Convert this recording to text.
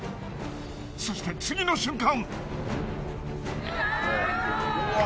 そして次の瞬間！